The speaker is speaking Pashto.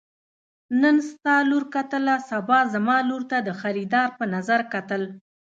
نن ستا لور کتله سبا زما لور ته د خريدار په نظر کتل.